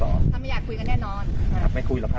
เจ้าที่จะทำงานอยู่นะครับ